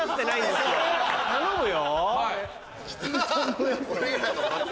頼むよ。